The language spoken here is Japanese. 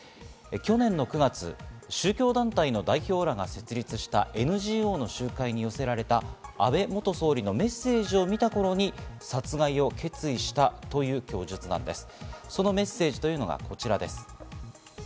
去年の９月、宗教団体の代表らが設立したＮＧＯの集会に寄せられた安倍元総理のメッセージを見たあとに殺害を決意したという供述なんです。